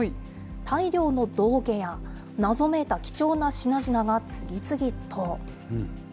大量の象牙や、謎めいた貴重な品々が次々と。